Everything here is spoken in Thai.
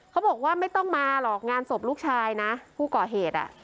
เขาบอกว่าไม่ต้องมาหรอกงานศพลูกชายนะผู้ก่อเหตุอ่ะ